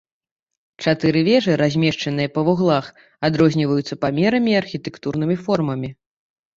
Чатыры вежы, размешчаныя па вуглах, адрозніваюцца памерамі і архітэктурнымі формамі.